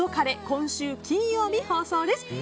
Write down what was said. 今週金曜日放送です。